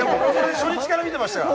初日から見てましたよ